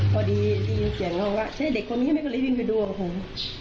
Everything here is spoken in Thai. พอดีได้ยินเสียงเขาว่าใช่เด็กคนนี้แม่ก็เลยวิ่งไปดูกับผม